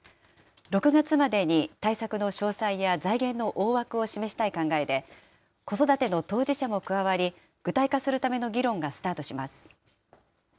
６月までに対策の詳細や財源の大枠を示したい考えで、子育ての当事者も加わり、具体化するための議論がスタートします。